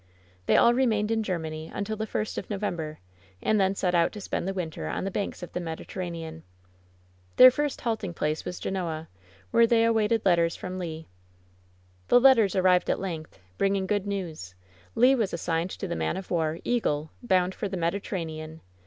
They all remained in Germany until the first of No vember, and then set out to spend the winter on the banks of the Mediterranean. Their first halting place was Genoa, where they waited letters from Le. The letters arrived at length, bringing good news. Le was assigned to the man of war Eagle, bound for the Mediterranean!